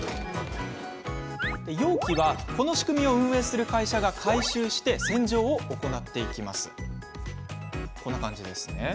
容器は、この仕組みを運営する会社が回収して洗浄を行います。